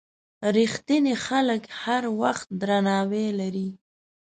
رښتیني خلک هر وخت درناوی لري.